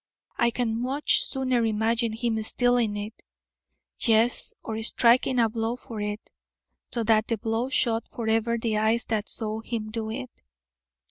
I can much sooner imagine him stealing it; yes, or striking a blow for it, so that the blow shut forever the eyes that saw him do it."